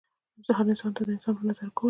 هر انسان ته د انسان په نظر ګوره